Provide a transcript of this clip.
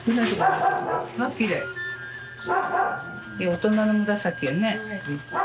大人の紫やね。